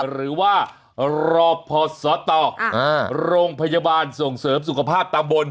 หรือว่ารอพอสตโรงพยาบาลส่งเสริมสุขภาพตำบล